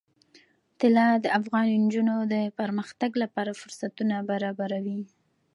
طلا د افغان نجونو د پرمختګ لپاره فرصتونه برابروي.